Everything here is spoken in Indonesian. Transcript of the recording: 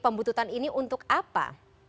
pembutuhan ini untuk apa